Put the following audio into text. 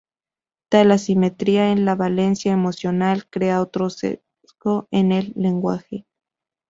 Tal asimetría en la valencia emocional crea otro sesgo en el lenguaje.